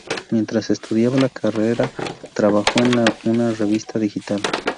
Mientras estudiaba la carrera trabajó en una revista digital.